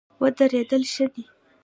ودرېدل ښه دی.